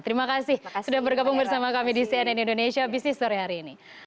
terima kasih sudah bergabung bersama kami di cnn indonesia business sore hari ini